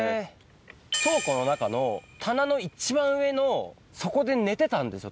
倉庫の中の棚の一番上の底で寝てたんですよ